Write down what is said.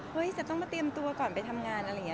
จะต้องมาเตรียมตัวก่อนไปทำงานอะไรอย่างนี้